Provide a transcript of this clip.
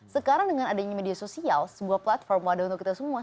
sekarang dengan adanya media sosial sebuah platform wadah untuk kita semua